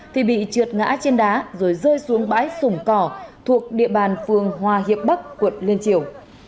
thì bị trượt ngã trên đá rồi rơi xuống bãi sủng cỏ thuộc địa bàn phường hòa hiệp bắc quận liên triều